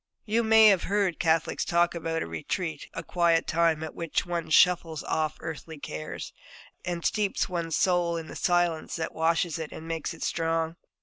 You may have heard Catholics talk about a 'retreat,' a quiet time in which one shuffles off earthly cares, and steeps one's soul in the silence that washes it and makes it strong.